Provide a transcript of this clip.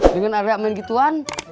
dengan area main gituan